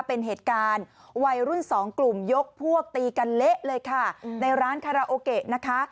เป็นเหตุการณ์วัยรุ่นสองกลุ่มยกพวกตีกันเละเลยค่ะในร้านคาราโอเกะนะคะ